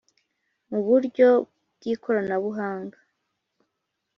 mu buryo bw ikoranabuhanga